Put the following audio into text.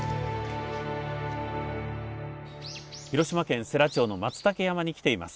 広島県世羅町のマツタケ山に来ています。